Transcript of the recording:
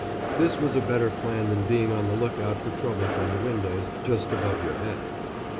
This was a better plan than being on the look out for trouble from the windows just above your head.